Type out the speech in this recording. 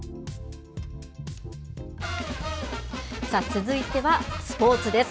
さあ続いてはスポーツです。